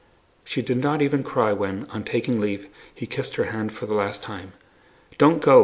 She did not even cry when, on taking leave, he kissed her hand for the last time. "Don't go!"